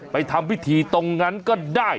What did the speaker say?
ทำพิธีตรงนั้นก็ได้